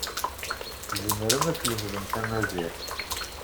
Tzemrem ad tlemdem tamaziɣt.